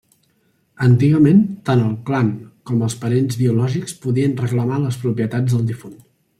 Antigament, tant el clan com els parents biològics podien reclamar les propietats del difunt.